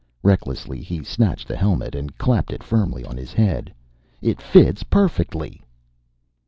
Recklessly he snatched the helmet and clapped it firmly on his head. "It fits perfectly!"